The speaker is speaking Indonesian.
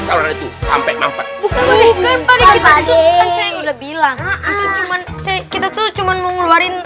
saluran itu sampai mampet bukan bukan pade saya udah bilang cuman kita tuh cuman mengeluarin